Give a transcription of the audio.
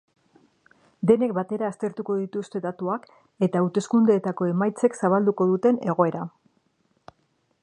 Denek batera aztertuko dituzte datuak eta hauteskundeetako emaitzek zabalduko duten egoera.